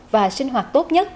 và sinh hoạt tốt nhất